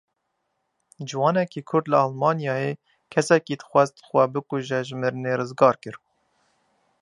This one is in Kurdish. Ciwanekî Kurd li Almanyayê kesekî dixwast xwe bikuje ji mirinê rizgar kir.